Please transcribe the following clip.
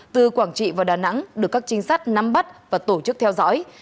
từ quảng trị vào đà nẵng được các trinh sát nắm bắt và tổ chức theo dõi